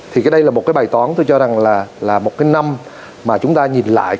thì cái đây là một cái bài toán tôi cho rằng là một cái năm mà chúng ta nhìn lại